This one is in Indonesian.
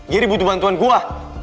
gary butuh bantuan gue